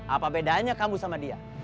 apa bedanya kamu sama dia